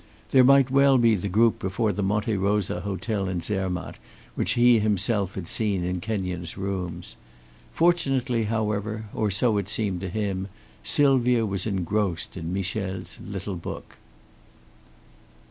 There might well be the group before the Monte Rosa Hotel in Zermatt which he himself had seen in Kenyon's rooms. Fortunately however, or so it seemed to him, Sylvia was engrossed in Michel's little book.